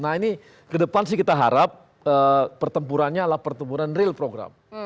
nah ini ke depan sih kita harap pertempurannya adalah pertempuran real program